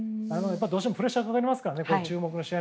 どうしてもプレッシャーがかかりますからね。